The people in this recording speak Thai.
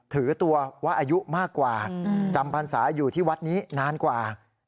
ถือตัวว่าอายุมากกว่าจำพรรษาอยู่ที่วัดนี้นานกว่า